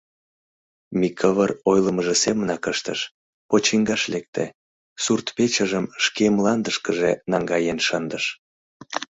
Микывыр ойлымыжо семынак ыштыш: почиҥгаш лекте — сурт-печыжым шке мландышкыже наҥгаен шындыш.